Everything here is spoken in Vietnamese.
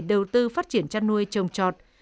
đầu tư phát triển chăn nuôi trồng trọt